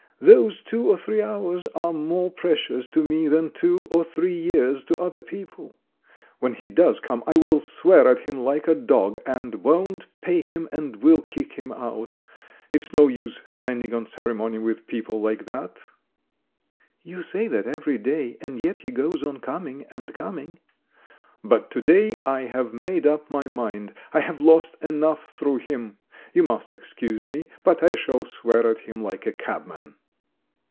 Those two or three hours are more precious to me than two or three years to other people. When he does come I will swear at him like a dog, and won't pay him and will kick him out. It's no use standing on ceremony with people like that!" "You say that every day, and yet he goes on coming and coming." "But to day I have made up my mind. I have lost enough through him. You must excuse me, but I shall swear at him like a cabman."